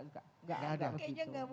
enggak ada begitu